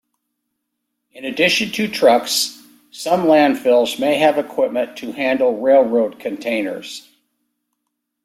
In addition to trucks, some landfills may have equipment to handle railroad containers.